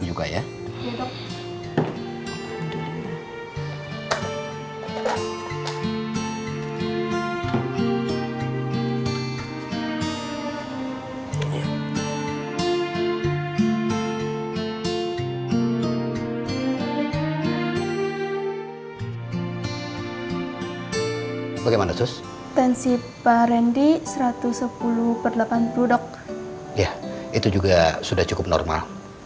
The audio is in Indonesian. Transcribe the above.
coba ya bagaimana sus tensi pak rendy satu ratus sepuluh per delapan puluh dok ya itu juga sudah cukup normal